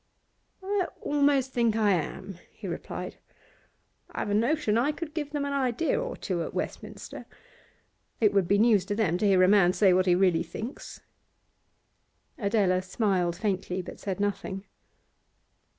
'I almost think I am,' he replied. 'I've a notion I could give them an idea or two at Westminster. It would be news to them to hear a man say what he really thinks.' Adela smiled faintly, but said nothing.